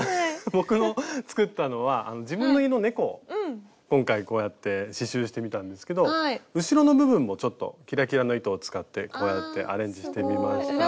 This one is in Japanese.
僕の作ったのは自分の家の猫を今回こうやって刺しゅうしてみたんですけど後ろの部分もキラキラの糸を使ってこうやってアレンジしてみました。